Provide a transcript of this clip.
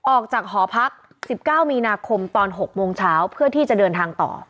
ออกจากหอพัก๑๙มีนาคมตอน๖โมงเช้าเพื่อที่จะเดินทางต่อ